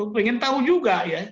pengen tahu juga ya